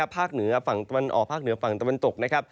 ภาคเหนือฝั่งตะวันออกภาคเหนือฝั่งตะวันตกนะครับ